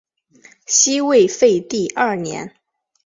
西魏废帝二年。